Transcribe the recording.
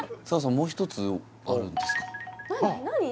もう一つあるんですか？